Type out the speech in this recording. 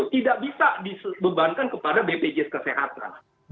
tidak bisa dibebankan kepada bpjs kesehatan